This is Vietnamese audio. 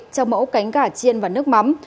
trong mẫu cánh gà chiên và nước mắm